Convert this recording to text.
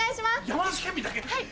はい。